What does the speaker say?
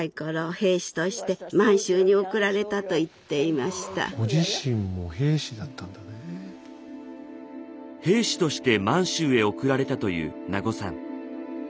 兵士として満州へ送られたという名護さん。